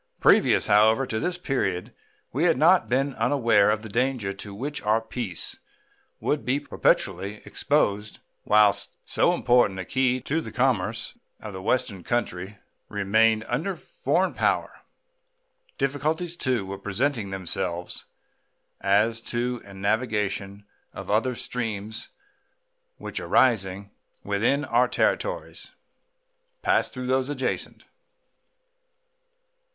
Previous, however, to this period we had not been unaware of the danger to which our peace would be perpetually exposed whilst so important a key to the commerce of the Western country remained under foreign power. Difficulties, too, were presenting themselves as to the navigation of other streams which, arising within our territories, pass through those adjacent.